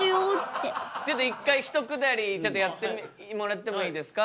ちょっと一回一くだりちょっとやってもらってもいいですか？